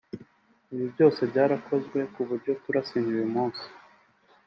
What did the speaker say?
ibyo byose byarakozwe ku buryo turasinya uyu munsi